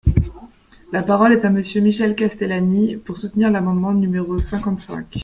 La parole est à Monsieur Michel Castellani, pour soutenir l’amendement no cinquante-cinq.